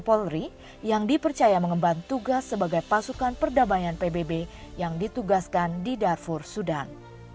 ketika itu dia menangkap anggota ppp yang ditugaskan di darfur sudan